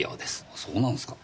あそうなんすか。